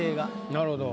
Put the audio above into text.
なるほど。